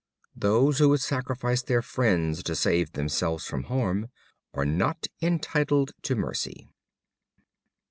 Those who would sacrifice their friends to save themselves from harm are not entitled to mercy.